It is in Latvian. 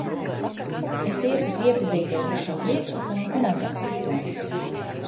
Es iesaku iepazīties ar šo priekšlikumu un atbalstīt to.